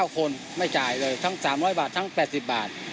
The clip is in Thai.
๙คนไม่จ่ายเลยทั้ง๓๐๐บาททั้ง๘๐บาท